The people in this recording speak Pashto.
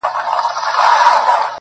گـــډ وډ يـهـــوديـــان.